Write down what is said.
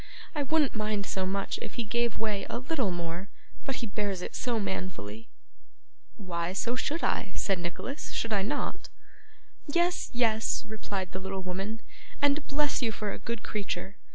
I wouldn't mind so much if he gave way a little more; but he bears it so manfully.' 'Why, so I should,' said Nicholas, 'should I not?' 'Yes, yes,' replied the little woman, 'and bless you for a good creature!